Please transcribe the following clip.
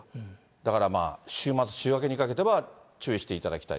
だから、週末週明けにかけては注意していただきたい。